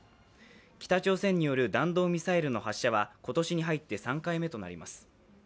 北朝鮮による弾道ミサイルの発射は今年に入って３回目となります。